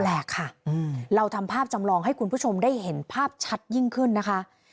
แปลกค่ะเราทำภาพจำลองให้คุณผู้ชมได้เห็นภาพชัดยิ่งขึ้นนะคะ